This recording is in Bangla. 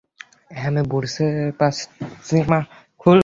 হ্যাঁ, আমি বুঝতে পারছি, মা।